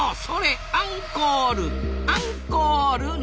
それアンコール！アンコール！